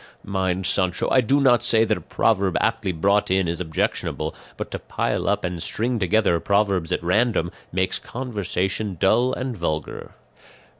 Mind, Sancho, I do not say that a proverb aptly brought in is objectionable; but to pile up and string together proverbs at random makes conversation dull and vulgar.